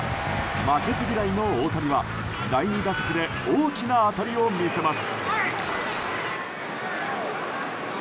負けず嫌いの大谷は、第２打席で大きな当たりを見せます。